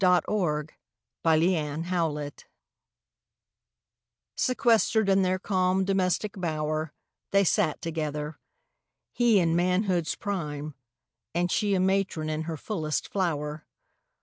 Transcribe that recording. DOMESTIC BLISS IV Sequestered in their calm domestic bower, They sat together. He in manhood's prime And she a matron in her fullest flower.